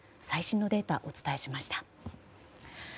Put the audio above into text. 最新のデータをお伝えしました。